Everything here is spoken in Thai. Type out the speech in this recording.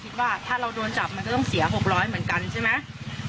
คิดว่าถ้าเราโดนจับมันก็ต้องเสีย๖๐๐เหมือนกันใช่ไหม